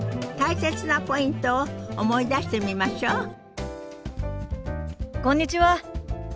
大切なポイントを思い出してみましょう。